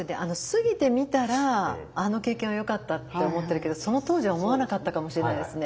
過ぎてみたらあの経験はよかったって思ってるけどその当時は思わなかったかもしれないですね